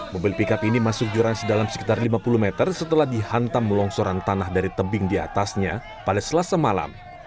mobil pickup ini masuk jurang sedalam sekitar lima puluh meter setelah dihantam longsoran tanah dari tebing di atasnya pada selasa malam